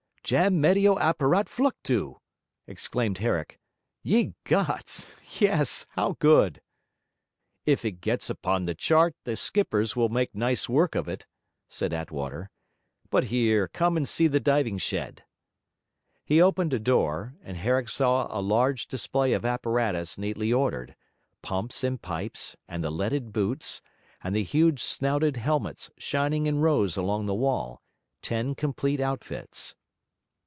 'Jam medio apparet fluctu!' exclaimed Herrick. 'Ye gods, yes, how good!' 'If it gets upon the chart, the skippers will make nice work of it,' said Attwater. 'But here, come and see the diving shed.' He opened a door, and Herrick saw a large display of apparatus neatly ordered: pumps and pipes, and the leaded boots, and the huge snouted helmets shining in rows along the wall; ten complete outfits.